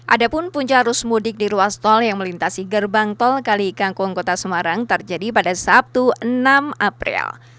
ada pun puncak arus mudik di ruas tol yang melintasi gerbang tol kalikangkung kota semarang terjadi pada sabtu enam april